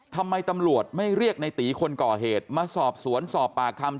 ทำไมตำรวจไม่เรียกในตีคนก่อเหตุมาสอบสวนสอบปากคำ